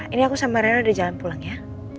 ini aku sama rena udah jalan pulang ya